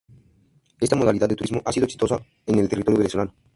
Esta modalidad de turismo ha sido exitosa en el territorio venezolano.